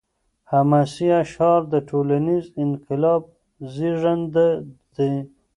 حماسي اشعار د ټولنیز انقلاب زیږنده دي.